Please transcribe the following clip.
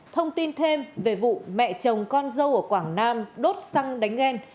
thông tin thêm về vụ mẹ chồng con dâu ở quảng nam đốt xăng đánh ghen